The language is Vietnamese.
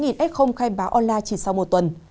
bốn mươi tám s khai báo online chỉ sau một tuần